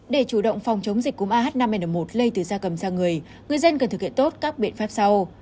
để chủ động phòng chống dịch cúm ah năm n một lây từ da cầm sang người người dân cần thực hiện tốt các biện pháp sau